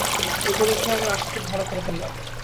এই পরীক্ষায় আমি আশাতীত ভালো করে ফেললাম।